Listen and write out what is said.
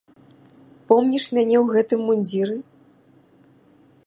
Помніш мяне ў гэтым мундзіры?